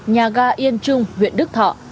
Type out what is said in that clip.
nhà ga yên trung huyện đức thọ